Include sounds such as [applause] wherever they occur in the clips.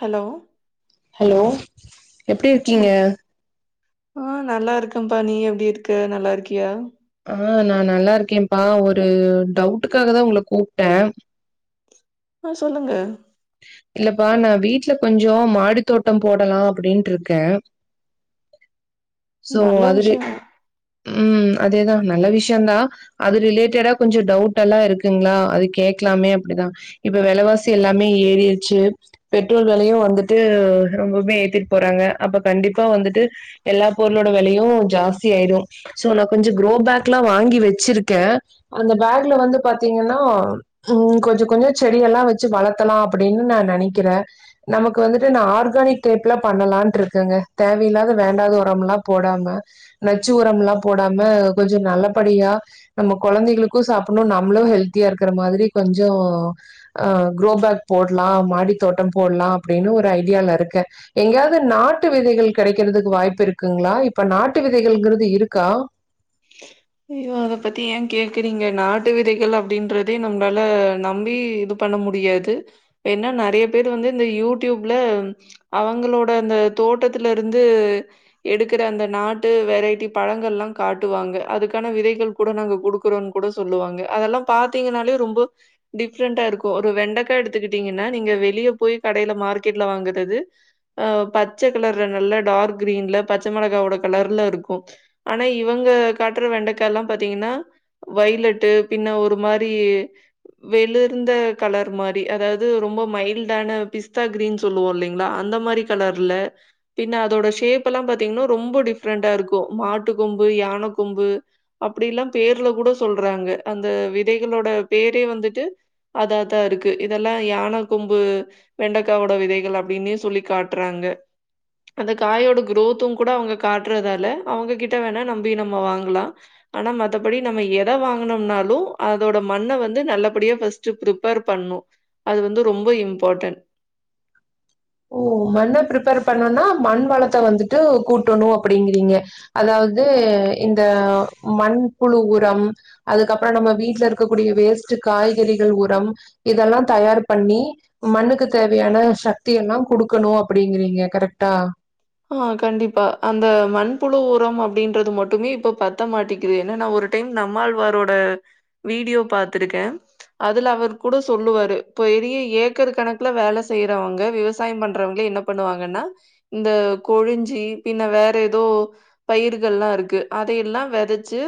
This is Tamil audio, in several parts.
ஹலோ ஹலோ எப்டி அ இருக்கீங்க ஆ நல்லாருக்கம்பா நீ எப்டி இருக்க நல்லாருக்கியா ஆ நா நல்லாருக்கேம்ப்பா ஒரு டவுட்டுக்காக தா ஒங்கள கூப்ட்டே ஆ சொல்லுங்க இல்லப்பா நா வீட்ல கொஞ்சோ மாடி தோட்டம் போடலா அப்டின்ட்ருக்கே ஸோ நல்ல அது ரி விஷயோ ம் அதேதா நல்ல விஷ்யந்தா அது ரிலேட்டடா கொஞ்சொ டவுட்டெல்லா இருக்குங்ளா அது கேக்லாமே அப்டிதா இப்ப வெலவாசி எல்லா மே ஏறிர்ச்சு பெட்ரோல் வெலயு வந்துட்டு ரொம்பவே ஏத்திட் போறாங்க அப்ப கண்டிப்பா வந்துட்டு எல்லா பொருளோட வெலயு ஜாஸ்தியாய்டு ஸோ நா கொஞ்சொ குரோபேக்ல்லா வாங்கி வச்சிருக்கே அந்த பேக்ல வந்து பாத்தீங்கன்னா ம் கொஞ்ச கொஞ்ச செடியெல்லா வச்சு வள த்தனா அப்டின்னு நா நெனைக்கிறே நமக்கு வந்துட்டு நா ஆர்கானிக் டைப் ல பண்ணலான்ட்ருக்கங்க தேவயில்லாத வேண்டாத ஒரமெல்லா போடாம நச்சு உரம்ல்லா போடாம கொஞ்சொ நல்லபடியா நம்ம கொழந்தைகளுக்கு சாப்புணு நம்ளு ஹெல்த்தியா இருக்ற மாரி கொஞ்சொ ஆ குரோபேக் போட்லா மாடி தோட்டம் போட்லா அப்டின்னு ஒரு ஐடியாலருக்கே எங்கயாவ்து நாட்டு விதைகள் கெடைக்கிறதுக்கு வாய்ப்பிருக்குங்ளா இப்ப நாட்டு விதைகள்ங்றது இருக்கா [inaudible] அய்யோ அத பத்தி ஏ கேக்குறீங்க நாட்டு விதைகள் அப்டின்றதே நம்ளால நம்பி இது பண்ண முடியாது ஏனா நறைய பேர் வந்து இந்த யூடியூப்ல அவங்களோட அந்த தோட்டத்துலருந்து எடுக்குற அந்த நாட்டு வெரைட்டி பழங்கள்லா காட்டுவாங்க அதுக்கான விதைகள் கூட நாங்க குடுக்குறோன் கூட சொல்லுவாங்க அதெல்லா பாத்தீங்னாலே ரொம்ப டிஃப்ரெண்டாருக்கு ஒரு வெண்டக்கா எடுத்துக்கிட்டிங்கன்னா நீங்க வெளிய போய் கடைல மார்க்கெட்ல வாங்குறது ஆ பச்ச கலர்ல நல்லா டார்க் கிரீன்ல பச்ச மெளகாவோட கலர்லருக்கு ஆனா இவங்க காட்ற வெண்டக்கால்லா பாத்தீங்கன்னா வைலட்டு பின்ன ஒரு மாரி வெளிர்ந்த கலர் மாரி அதாவ்து ரொம்ப மைல்டான பிஸ்தா கிரீன் சொல்லுவோலிங்ளா அந்த மாரி கலர்ல பின்ன அதோட ஷேப்பெல்லா பாத்தீங்கனா ரொம்போ டிப்ரெண்டாருக்கு மா ட்டு கொம்பு யான கொம்பு அப்டிலா பேர்ல கூட சொல்றாங்க அந்த விதைகளோட பேரே வந்துட்டு அததாருக் இதெல்லா யானக் கொம்பு வெண்டக்காவோட விதைகள் அப்டின்னே சொல்லி காட்றாங்க அந்த காயோட குரோத்து கூட அவுங்க காட்றதால அவுங்ககிட்ட வேணா நம்பி நம்ம வாங்கலா ஆனா மத்தபடி நம்ம எத வாங்கனம்னாலு அதோட மண்ண வந்து நல்ல படியா ஃபஸ் டு பிரிப்பேர் பண்ணு அது வந்து ரொம்பே இம்பாட்டன் ஓ மண்ண பிரிப்பேர் பண்ணோனா மண் வளத்த வந்துட்டு கூட்டனு அப்டிங்கிறீங்க அதாவது இந்த மண்புழு உரம் அதுக்கப்றோ நம்ம வீட்ல இருக்கக் கூடிய வேஸ்ட்டு காய்கறிகள் உரம் இதெல்லா தயார் பண்ணி மண்ணுக்கு தேவையான சக் தியமா குடுக்கனு அப்படிங்கிறீங்க கரெட்டா ஆ கண்டிப்பா அந்த மண்புழு உரம் அப்படின்றது மட்டுமே இப்ப பத்த மாட்டிக்கிது என்னனா ஒரு டைம் நம்மாழ்வாரோட வீடியோ பாத்திருக்கே அதுல அவர் கூட சொல்லுவாரு இப்ப பெரிய ஏக்கர் கணக்குல வேல செய்யறவங்க விவசாயம் பண்றவங்கள என்ன பண்ணுவாங்கன்னா இந்த கொழிஞ்சி பின்ன வேற ஏதோ பயிர்கள்லா இருக்கு அதையெல்லா வெதச்சி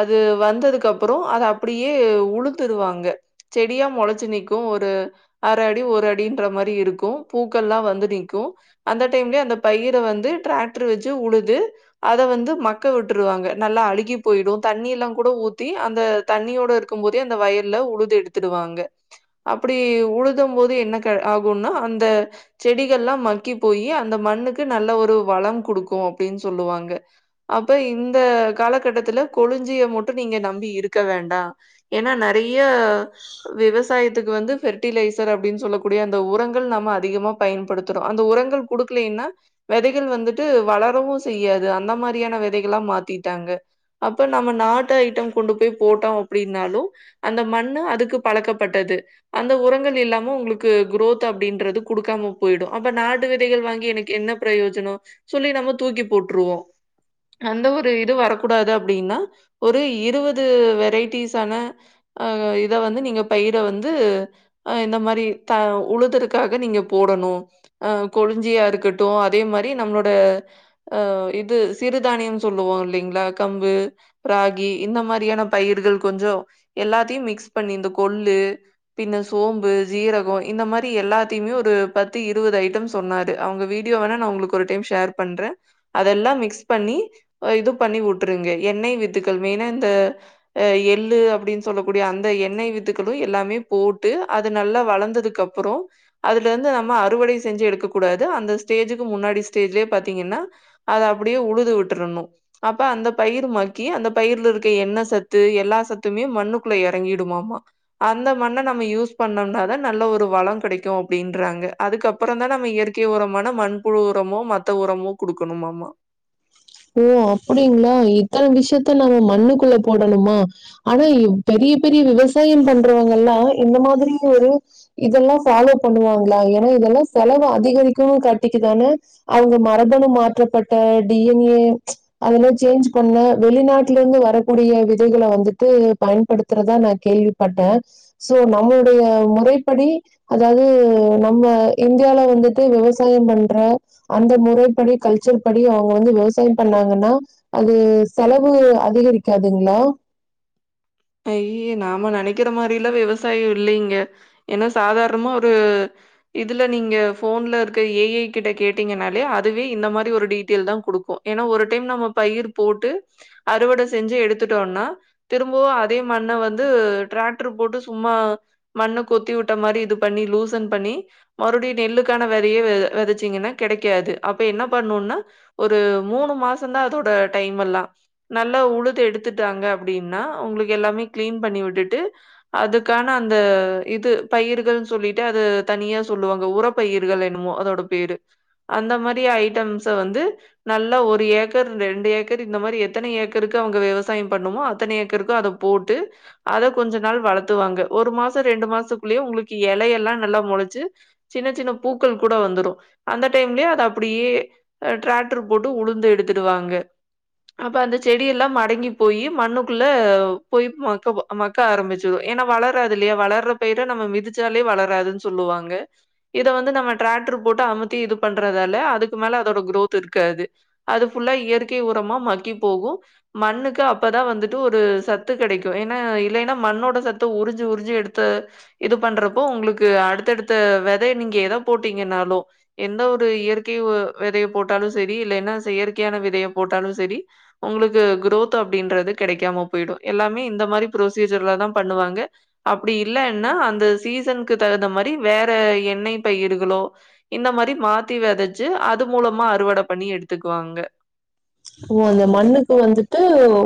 அது வந்ததுக்கு அப்புறோ அத அப்படியே உளுந்துருவாங்க செடியா மொளச்சு நி்க்கு ஒரு அர அடி ஒரு அடின்ற மாரி இருக்கு பூக்கள்லா வந்து நிக்கு அந்த டைம்லயே அந்த பயிர வந்து டிராக்டர் வச்சு உழுது அத வந்து மக்க வுட்டுருவாங்க நல்லா அழுகி போய்டு தண்ணி எல்லா கூட ஊத்தி அந்த தண்ணியோட இருக்கு போதே அந்த வயல்ல உழுது எடுத்துடுவாங்க அப்படி உழுதும் போது என்ன கெ ஆகுன்னா அந்த செடிகள்லா மக்கி போயி அந்த மண்ணுக்கு நல்ல ஒரு வளம் குடுக்கு அப்டின் சொல்லுவாங்க அப்ப இந்த கால கட்டத்துல கொழிஞ்சிய மட்டு நீங்க நம்பி இருக்க வேண்டா ஏனா நெறைய விவசாயத்துக்கு வந்து ஃபெர்டிலைசர் அப்டின் சொல்லக்கூடிய அந்த உரங்கள் நாம அதிகமா பயன்படுத்துறோ அந்த உரங்கள் குடுக்கலைன்னா விதைகள் வந்துட்டு வளரவு செய்யாது அந்த மாரியான விதைகள்லா மாத்திட்டாங்க அப்ப நம்ம நாட்டு ஐட்டம் கொண்டு போய் போட்டோ அப்டினாலு அந்த மண்ணு அதுக்கு பழக்கப்பட்டது அந்த உரங்கள் இல்லாம உங்களுக்கு குரோத் அப்டின்றது குடுக்காம போயிடு அப்ப நாட்டு விதைகள் வாங்கி எனக்கு என்ன பிரயோஜனோ சொல்லி நம்ம தூக்கி போட்ருவோ அந்த ஒரு இது வரக்கூடாது அப்படின்னா ஒரு இருவது வெரைட்டிஸான ஆ இத வந்து நீங்க பயிர வந்து அ இந்த மாரி க வுழுததுக்காக நீங்க போடனு அ கொழிஞ்சியாருக்கட் டு அதே மாரி நம்ளோட அ இது சிறுதானியம் சொல்லுவோ இல்லைங்ளா கம்பு ராகி இந்த மாரியான பயிர்கள் கொஞ்சோ எல்லாத்தையு மிக்ஸ் பண்ணி இந்த கொள்ளு பின்ன சோம்பு ஜீரகோ இந்த மாரி எல்லாத்தையுமே ஒரு பத்து இருவது ஐட்டம் சொன்னாரு அவுங்க வீட் டியோ வேனா நா உங்களுக்கு ஒரு டைம் ஷேர் பண்ற அதெல்லா மிக்ஸ் பண்ணி அ இது பண்ணி வுட்டுருங்க எண்ணெய் வித்துக்கள் மெய்னா இந்த அ எள்ளு அப்டின் சொல்லக்கூடிய அந்த எண்ணெய் வித்துக்கள் து எல்லாமே போட்டு அது நல்லா வளந்ததுக்கப்பறோ அதுலருந்து நம்ம அறுவடை செஞ்சு எடுக்கக் கூடாது அந்த ஸ்டேஜுக்கு முன்னாடி ஸ்டேஜ்லே பாத்தீங்கனா அத அப்டியே உழுது விட்டுரணு அப்ப அந்த பயிரு மக்கி அந்த பயிர்ல இருக்க எண்ணெ சத்து எல்லா சத்துமே மண்ணுக்குள்ள எறங்கிடுமாமா அந்த மண்ண நம்ம யூஸ் பண்ணம்னாதா நல்ல ஒரு வள கெடைக்கு அப்டின்றாங்க அதுக்கப்றந் தா நம்ம இயற்கை உரம் மான மண்புழு உரமோ மத்த உரமோ குடுக்கணுமாம்மா ஓ அப்டிங்ளா இத்தன விஷ்யத்த நாங்க மண்ணுக்குள்ள போடணுமா ஆனா இ பெரிய பெரிய விவசாயம் பண்றவங்கல்லா இந்த மாதிரி ஒரு இதெல்லா ஃபாலோ பண்ணுவாங்ளா ஏனா இதெல்லா செலவு அதிகரிக்குனு காட்டிக்கதானே அவ்ங்க மரபணு மாற்றப்பட்ட டி என் ஏ அதலே சேஞ்ச் பண்ண வெளிநாட்டுல இருந்து வரக்கூடிய விதைகள வந்துட்டு பயன்படுத்துறதா நா கேள்விப் பட்டே சோ நம்மளுடைய முறைப்படி அதாவ்து நம்ம இந்தியால வந்துட்டு விவசாயம் பண்ற அந்த முறைப்படி கல்ச்சர் படி அவ் வ்ங்க வந்து விவசாய பண்ணாங்கனா அது செலவு அதிகரிக்காதுங்ளா ஐயய்ய நாம நெனைக்கிற மாரிலா விவசாய இல்லைங்க ஏனா சாதாரணமா ஒரு இதுல நீங்க ஃபோன்ல இருக்க ஏ ஐ கிட்ட கேட்டீங்கனாலே அதுவே இந்த மாரி ஒரு டீட்டெயில் தா குடுக்கு ஏனா ஒரு டைம் நம்ம பயிர் போட்டு அறுவட செஞ்சு எடுத்துட்டோனா திரும்பவு அத் அதே மண்ண வந்து டிராக்ட்ரு போட்டு சும்மா மண்ண கொத்தி வுட்ட மாரி இது பண்ணி லூசன் பண்ணி மறுபடியு நெல்லுக்கான வெதையே வெ வெதச்சீங்கனா கெடைக்காது அப்ப என்ன பண்ணுனா ஒரு மூணு மாசந்தா அதோட டைம்மெல்லா நல்லா உழுது எடுத்துட்டாங்க அப்டின்னா உங்களுக்கு எல்லாமே கிளீன் பண்ணி விட்டுட்டு அதுக்கான அந்த இது பயிர்கள்னு சொல்லிட்டு அத தனியா சொல்லுவாங்க உரப் பயிர்கள் என்னமோ அதோட பேரு அந்த மாரி ஐட்டம்ஸ வந்து நல்லா ஒரு ஏக்கர் ரெண்டு ஏக்கர் இந்த மாரி எத்தன ஏக்கருக்கு அவ்ங்க விவசாயம் பண்ணுமோ அத்தன ஏக்கருக்கு அத போட்டு அத கொஞ்ச நாள் வளத்துவாங்க ஒரு மாச ரெண்டு மாசத்துக்குள்ளயே உங்களுக்கு எலையெல்லா நல்லா மொளச்சு சின்ன சின்ன பூக்கள் கூட வந்துரு அந்த டைம்லே அத அப்டியே அ டிராக்ட்ரு போட்டு உழுந்து எடுத்துடுவாங்க அப்ப அந்த செடியெல்லா மடங்கி போயி மண்ணுக்குள்ள போய் மக்கவ மக்க ஆரம்மிச்சுரு ஏனா வளராது இல்லையா வளர்ற பயிர நம்ம மிதிச்சாலே வளராதுன் சொல்லுவாங்க இத வந்து நம்ம டிராக்ட்ரு போட்டு அமுத்தி இது பண்றதால அதுக்கு மேல அதோட குரோத் இருக்காது அது ஃபுல்லா இயற்கை உரமா மக்கி போகு மண்ணுக்கு அப்பதா வந்துட்டு ஒரு சத் த்து கெடைக்கு ஏனா இலைனா மண்ணோட சத் த்த உறிஞ்சு உறிஞ்சு எடுத்து இது பண்றப்போ உங்களுக்கு அடுத்தடுத்த வெத த நீங்க எத போட்டீங்கனாலு எந்த ஒரு இயற்கை வ வெதைய போட்டாலு செரி இல்லைனா செயற்கையான விதைய போட்டாலு செரி ஒங்களுக்கு குரோத் அப்டின்றது கெடைக்காம போயிடு எல்லாமே இந்த மாரி ப்ரொசீஜர்ல தா பண்ணுவாங்க அப்டி இல்லன்னா அந்த சீசனுக்கு தகுந்த மாரி வேற எண்ணெய் பயருகளோ இந்த மாரி மாத்தி வெதச்சு அது மூலமா அறுவட பண்ணி எடுத்துக்குவாங்க ஓ அந்த மண்ணுக்கு வந்துட்டு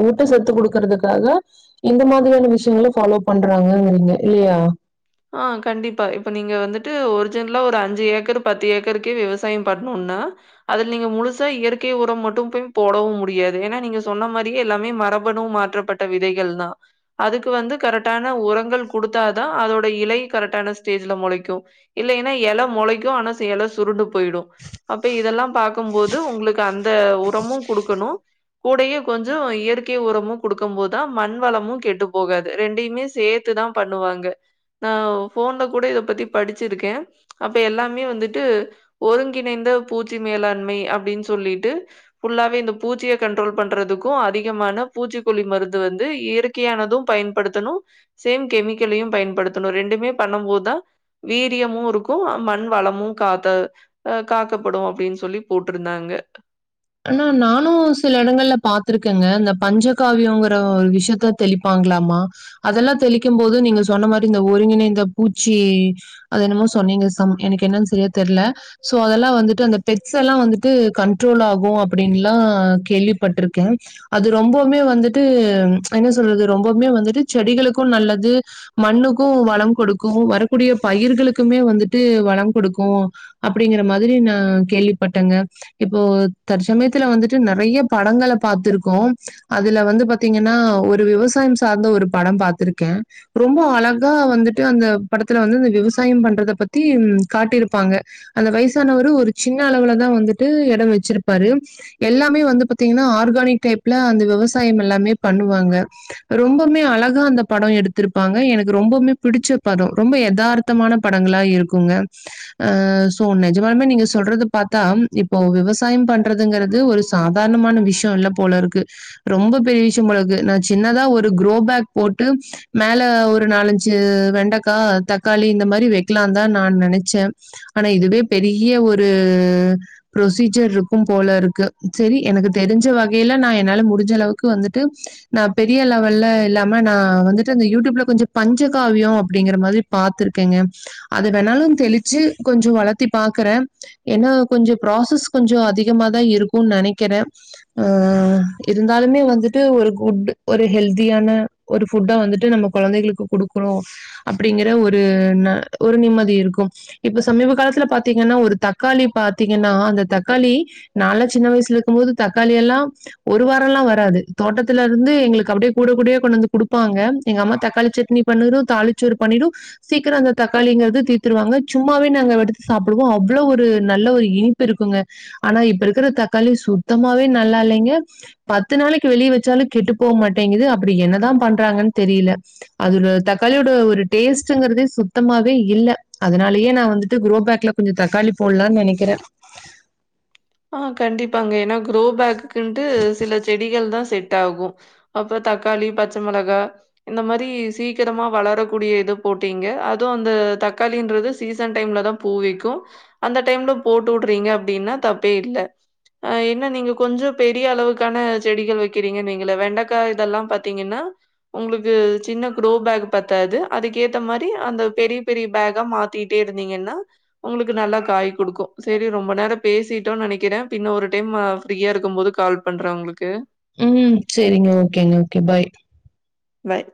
ஊட்ட சத்து குடுக்குறத்துக்காக இந்த மாதிரியான விஷ்யங்கள ஃபாலோ பண்றாங்கங்கிறீங்க இல்லையா ஆ கண்டிப்பா இப்ப நீங்க வந்துட்டு ஒரிஜின்லா ஒரு அஞ்சு ஏக்கரு பத்து ஏக்கருக்கே விவசாயோ பண்ணுனா அதுல நீங்க முழுசா இயற்கை உரம் மட்டு போய் போடவு முடியாது ஏனா நீங்க சொன்ன மாரியே எல்லாமே மரபணு மாற்றப்பட் ட விதைகள் தா அதுக்கு வந்து கரெட்டான வுரங்கள் குடுத்தாதா அதோ ட இலை கரெக்டான ஸ்டேஜுல மொளைக்கு இல்லைன்னா எல மொளைக்கு ஆனா ச எல சுருண்டு போயிடு அப்ப இதெல்லா பாக்கம்போது உங்ளுக்கு அந்த உரமு குடுக்கணு கூடயே கொஞ்சொ இயற்கை உரமு குடுக்கம்போதா மண் வளமு கெட்டு போகாது ரெண்டைமே சே த்து தா பண்ணுவாங்க நா ஃபோன்ல கூட இத பத்தி படிச்சிருக்கே அப்ப எல்லாமே வந்துட்டு ஒருங்கிணைந்த பூச்சி மேலாண்மை அப்டின் சொல்லிட்டு ஃபுல்லாவே இந்த பூச்சிய கன்ட்ரோல் பண்றதுக்கு அதிகமான பூச்சிக்கொல்லி மருந்து வந்து இயற் கையானது பயன்படுத்தனு சேம் கெமிக்கலையு பயன்படுத்தனு ரெண்டுமே பண்ணம்போதா வீரியமு இருக்கு ஆ மண் வளமு காத்த ஆ காக்கப்படு அப்டின் சொல்லி போட்ருந்தாங்க ஆனா நானு சில எடங்கள்ல பாத்திருக்கேங்க இந்த பஞ்சகாவியோங்ற ஒரு விஷ்யத்த தெளிப்பாங்ளாமா அதெல்லா தெளிக்கம்போது நீங்க சொன்ன மாரி இந்த ஒருங்கிணைந்த பூச்சி அது என்னமோ சொன்னீங்க சம் எனக்கு என்னன் சரியா தெர்ல ஸோ அதெல்லா வந்துட்டு அந்த பெக்ஸ்ஸெல்லா வந்துட்டு கன்ட்ரோல் ஆ கு அப்டின்லா கேள்விப்பட்ருக்கே அது ரொம்பவுமே வந்துட்டு என்ன சொல்றது ரொம்பவுமே வந்துட்டு செடிகளுக்கு நல்லது மண்ணுக்கு வளம்குடுக்கு வரக்கூடிய பயிர்களுக்குமே வந்துட்டு வளம் குடுக்கு அப்டிங்ற மாதிரி நா கேள்விபட்டங்க இப்போ தற்சமயத்துல வந்துட்டு நெறைய படங்கள பாத்துருக்கோ அதுல வந்து பாத்திங்கன்னா ஒரு விவசாயம் சார்ந்த ஒரு படம் பாத்துருக்கே ரொம்ப அழகா வந்துட்டு அந்த படத்துல வந்து இந்த விவசாயம் பண்றத பத்தி காட்டிருப்பாங்க அந்த வய்சானவரு ஒரு சின்ன அளவுலதா வந்துட்டு எடோ வச்சிரு ப்பாரு எல்லாமே வந்து பாத்திங்கன்னா ஆர்கானிக் டைப்ல அந்த விவசாயம் எல்லாமே பண்ணுவாங்க ரொம்பமே அழகா அந்த படோ எடுத்திருப்பாங்க எனக்கு ரொம்பமே புடிச்ச படோ ரொம்ப எதார் த்தமான படங்களா இருக்குங்க ஆ ஸோ நெஜமாலுமே நீங்க சொல்றத பாத்தா இப்போ விவசாயம் பண் றதுங்கறது ஒரு சாதாரணமான விஷ்யோ இல்ல போலருக்கு ரொம்ப பெரிய விஷ்யோ போலருக்கு நா சின்னதா ஒரு குரோபேக் போட்டு மேல ஒரு நாலஞ்சு வெண்டக்கா தக்காளி இந்த மாரி வெக்கலாதா நான் நெனச்சே ஆனா இதுவே பெரிய ஒரு ப்ரொசீஜர்ருக் க்கு போலருக்கு செரி எனக்கு தெரிஞ்ச வகைல நா என்னால முடிஞ்சளவு க்கு வந்துட்டு நா பெரிய லெவல்ல இல்லா ம நா வந்துட்டு அந்த யூடியூப்ல கொஞ்சோ பஞ்சகாவியோ அப்டிங்ற மாரி பாத்துர்க்கேங்க அது வேணாலு தெளிச்சி கொஞ்சொ வளத்தி பாக்குறே ஏன்னா கொஞ்சோ ப்ராசஸ் கொஞ்ச அதி கமா தா இருக்குன் நெனைக்கிறே ஆ இருந்தாலுமே வந்துட்டு ஒரு குட் ஒரு ஹெல்தியான ஒரு ஃபுட்ட வந்துட்டு நம்ம கொழந்தைகளுக்கு குடுக்கனு அப்டிங்கற ஒரு ந ஒரு நிம்மதி இருக்கும் இப்ப சமீப காலத்துல பாத்தீங்கன்னா ஒரு தக்காளி பாத்தீங்கன்னா அந்த தக்காளி நாலா சின்ன வய்சுலக்கும்போது தக்காளி எல்லா ஒரு வாரோ லா வராது தோட்டத்துலருந்து எங்களுக்கு அப்டியே கூட கூடயா கொண்டுந்து குடுப்பாங்க எங்க அம்மா தக்காளி சட்னி பண்ணிரு தாளிச்சோறு பண்ணிடு சீக்கிரோ அந்த தக்காளிங்கறது தீத்துருவாங்க சும்மாவே நாங்க எடுத்து சாப்டுவோ அவ்ளோ ஒரு நல்ல ஒரு இனிப் இருக்குங்க ஆனா இப்ப இருக்கிற தக்காளி சுத்தமாவே நல்லால்லைங்க பத்து நாளைக்கு வெளிய வெச்சாலு கெட்டு போ மாட்டேங்குது அப்டி என்னதா பண்றாங்கன் தெரில அதுல தக்காளியோட ஒரு டேஸ்ட்டுங்கரதே சுத்தமாவே இல்ல அதனாலேயே நா வந்துட்டு குரோபேக்ல கொஞ்சோ தக்காளி போட்லான் நெனைக்கிற ஆ கண்டிப்பாங்க ஏன்னா குரோ பேக்குக்குண்ட்டு சில செடிகள் தா செட் ஆகு அப்பறோ தக்காளி பச்ச மிளகா இந்த மாரி சீக்கிரமா வளரக்கூடிய இது போட்டீங்க அதுவு அந்த தக்காளின்றது சீசன் டைம்ல தா பூ விக்கு அந்த டைம்ல போட்டு உட்றீங்க அப்டின்னா தப்பே இல்ல அ என்ன நீங்க கொஞ்சோ பெரிய அளவுக்கான செடிகள் வெக்கிறீங்கன் வெங்கள வெண்டக்கா இதெல்லா பாத்திங்கன்னா உங்ளுக்கு சின்ன க்ரோ பேக் பத்தாது அதுக்கு ஏத்த மாரி அந்த பெரிய பெரிய பேங்கா மாத் ட்டிட்டே இருந்தீங்கன்னா உங்களுக்கு நல்லா காய் குடுக்கு சேரி ரொம்ப நேரோ பேசிட்டு டோன்னு நெனைக்கிற பின்ன ஒரு டைம்மு ஃப்ரீயா இருக்கும் போது கால் பண்றே உங்களுக்கு ம் செரிங்க ஓகேங்க ஓகே பாய் பாய்